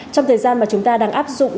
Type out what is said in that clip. trong thời gian mà chúng ta đang áp dụng